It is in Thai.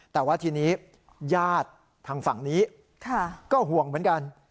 แต่ว่าทีนี้ญาติทางฝั่งนี้ก็ห่วงเหมือนกัน